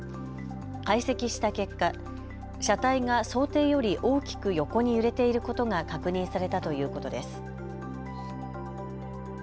解析した結果、車体が想定より大きく横に揺れていることが確認されたということです。